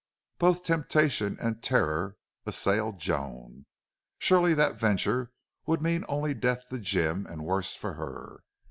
Both temptation and terror assailed Joan. Surely that venture would mean only death to Jim and worse for her.